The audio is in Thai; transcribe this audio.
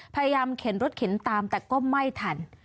เข็นรถเข็นตามแต่ก็ไม่ทัน